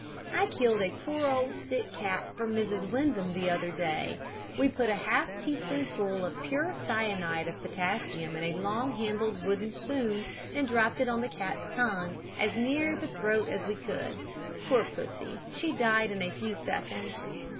I killed a poor old sick cat for Mrs. Windham the other day. We put half a teaspoonful of pure cyanide of potassium in a long handled wooden spoon, and dropped it on the cat's tongue, as near the throat as we could. Poor pussy she died in a few seconds.